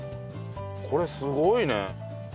これすごいね。